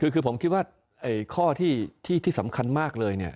คือผมคิดว่าข้อที่สำคัญมากเลยเนี่ย